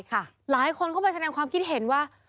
หลายคนเข้าไปแสดงความคิดเห็นว่า